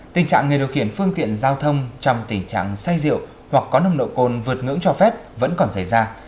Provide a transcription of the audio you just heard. tình trạng người điều khiển phương tiện giao thông trong tình trạng say rượu hoặc có nồng độ cồn vượt ngưỡng cho phép vẫn còn xảy ra